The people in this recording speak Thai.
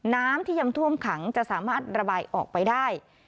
น้ำที่ยังท่วมขังจะสามารถระบายออกไปได้